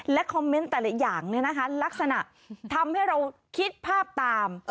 และคอมเมนต์แต่ละอย่างเนี่ยนะคะลักษณะทำให้เราคิดภาพตาม